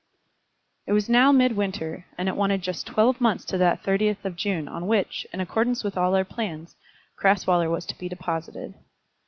It was now mid winter, and it wanted just twelve months to that 30th of June on which, in accordance with all our plans, Crasweller was to be deposited.